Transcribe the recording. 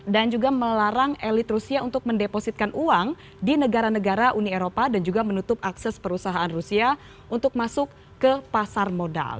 dan juga melarang elit rusia untuk mendepositkan uang di negara negara uni eropa dan juga menutup akses perusahaan rusia untuk masuk ke pasar modal